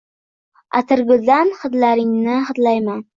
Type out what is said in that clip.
Atirguldan hidlaringni hidlayman